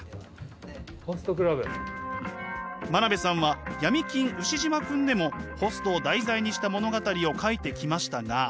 真鍋さんは「闇金ウシジマくん」でもホストを題材にした物語を描いてきましたが。